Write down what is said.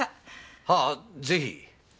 はぁぜひ。